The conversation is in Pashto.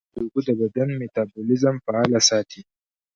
یخي اوبه د بدن میتابولیزم فعاله ساتي.